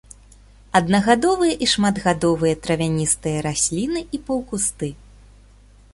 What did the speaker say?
Аднагадовыя і шматгадовыя травяністыя расліны і паўкусты.